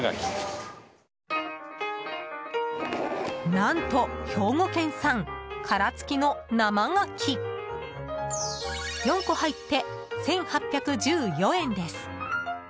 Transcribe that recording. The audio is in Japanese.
何と兵庫県産殻付きの生がき４個入って１８１４円です。